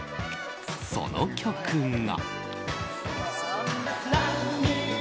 その曲が。